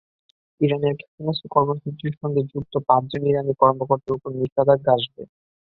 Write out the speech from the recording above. ইরানের ক্ষেপণাস্ত্র কর্মসূচির সঙ্গে যুক্ত পাঁচজন ইরানি কর্মকর্তার ওপর নিষেধাজ্ঞা আসবে।